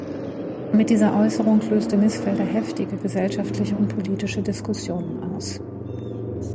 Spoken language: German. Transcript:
Mit dieser Äußerung löste Mißfelder heftige gesellschaftliche und politische Diskussionen aus.